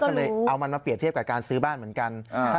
ก็เลยเอามันมาเปรียบเทียบกับการซื้อบ้านเหมือนกัน